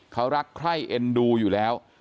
เขารักใคร่เอ็นดูอยู่แล้ว